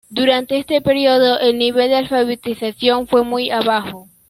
Durante este periodo, el nivel de alfabetización fue muy abajo.